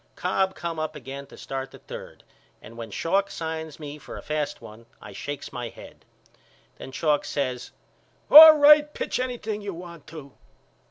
Cobb come up again to start the third and when Schalk signs me for a fast one I shakes my head. Then Schalk says All right pitch anything you want to.